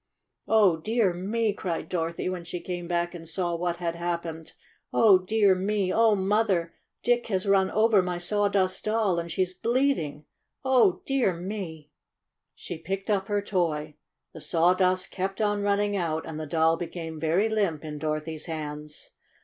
"Oh, dear me!" cried Dorothy, when she came back and saw what had hap pened. "Oh, dear me! Oh, Mother! Dick has run over my Sawdust Doll and she's bleeding ! Oh, dear me!" "OH, DEAR ME!" 117 She picked up her toy. The sawdust kept on running out, and the doll became very limp in Dorothy's hands.